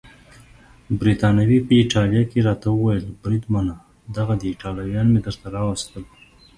بریتانوي په ایټالوي کې راته وویل: بریدمنه دغه دي ایټالویان مې درته راوستل.